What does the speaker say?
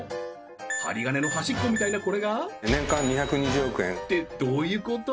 針金の端っこみたいなこれがってどういうこと？